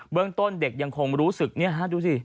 เรื่องต้นเด็กยังคงรู้สึกนี่ฮะดูสิ